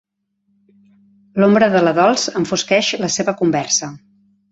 L'ombra de la Dols enfosqueix la seva conversa.